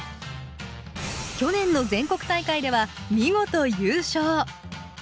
去年の全国大会では見事優勝。